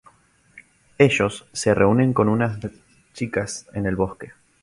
Ellos se reúnen con unas chicas en un bosque.